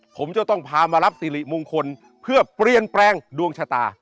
ผมจะต้องพามารับสิริมงคลเพื่อเปลี่ยนแปลงดวงชะตา